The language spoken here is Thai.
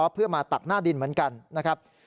เพื่อมาตักหน้าดินเหมือนกันนะครับ